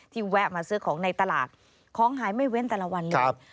แวะมาซื้อของในตลาดของหายไม่เว้นแต่ละวันเลย